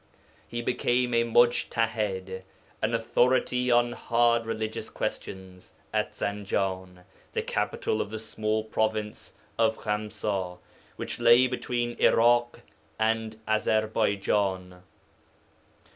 He became a mujtah[ī]d ('an authority on hard religious questions') at Zanjan, the capital of the small province of Khamsa, which lay between Iraḳ and Azarbaijan.